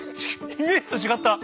イメージと違った。